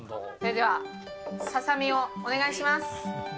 では、ささみをお願いします。